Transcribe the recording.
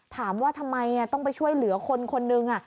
ถามว่าทำไมต้องไปช่วยเหลือคนคนหนึ่ง